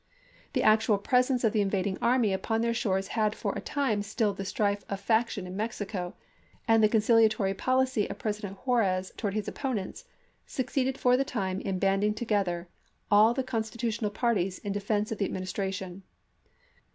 The actual presence of the invading army upon their shores had for a time stilled the strife of faction in Mexico, and the conciliatory policy of President Juarez towards his opponents succeeded * for the time in banding together all the constitu tional parties in defense of the Administration.